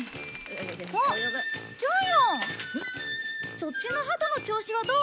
そっちのハトの調子はどう？